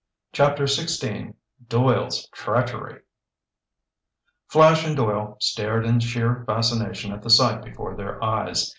CHAPTER XVI DOYLE'S TREACHERY Flash and Doyle stared in sheer fascination at the sight before their eyes.